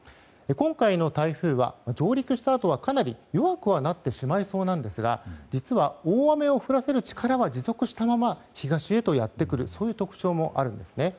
今回の台風は、上陸したあとはかなり弱くなってしまいそうですが実は大雨を降らせる力は持続したまま東へとやってくるという特徴もあるんですね。